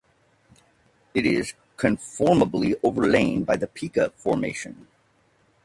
It is conformably overlain by the Pika Formation.